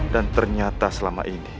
dan ternyata selama ini